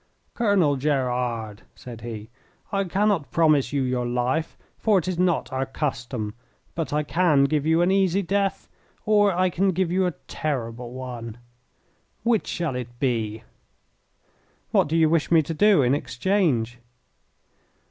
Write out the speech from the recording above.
"Colonel Gerard," said he, "I cannot promise you your life, for it is not our custom, but I can give you an easy death or I can give you a terrible one. Which shall it be?" "What do you wish me to do in exchange?"